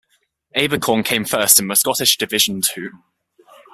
Abercorn came first in the Scottish Division Two.